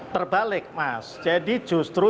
terbalik mas jadi justru